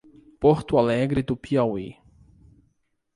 Porto Alegre do Piauí